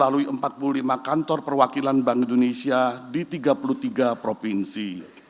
dan di daerah melalui empat puluh lima kantor perwakilan bank indonesia di tiga puluh tiga provinsi